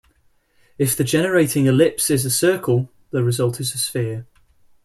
If the generating ellipse is a circle, the result is a sphere.